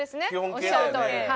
おっしゃるとおり。